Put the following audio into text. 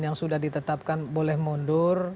yang sudah ditetapkan boleh mundur